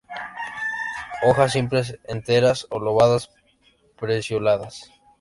Hojas simples, enteras o lobadas; pecioladas.